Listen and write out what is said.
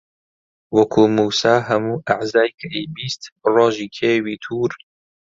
وەکوو مووسا هەموو ئەعزای کە ئەیبیست ڕۆژی کێوی توور